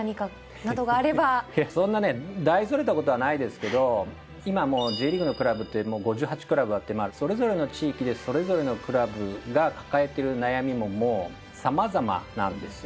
いやそんなね大それたことはないですけど今もうＪリーグのクラブって５８クラブあってそれぞれの地域でそれぞれのクラブが抱えてる悩みももう様々なんですよ。